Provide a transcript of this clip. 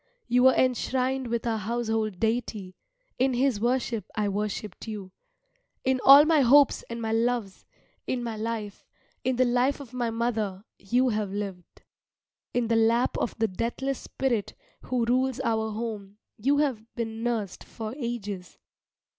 You were enshrined with our household deity, in his worship I worshipped you. In all my hopes and my loves, in my life, in the life of my mother you have lived. In the lap of the deathless Spirit who rules our home you have been nursed for ages.